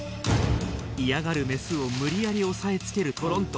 嫌がるメスを無理やり押さえつけるトロント。